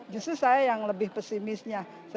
justru saya yang lebih pesimisnya